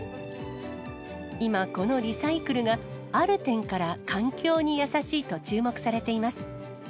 今、このリサイクルがある点から環境に優しいと注目されています。